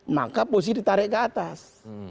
maka posisi ditarik ke atas